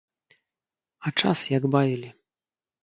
А час як бавілі?